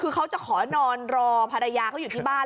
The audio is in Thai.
คือเขาจะขอนอนรอภรรยาเขาอยู่ที่บ้าน